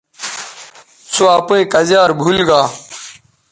سو اپئیں کزیار بھول گا